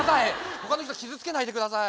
他の人傷つけないで下さい。